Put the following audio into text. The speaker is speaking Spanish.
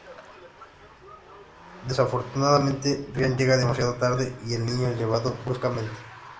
Desafortunadamente, Ryan llega demasiado tarde y el niño es llevado bruscamente.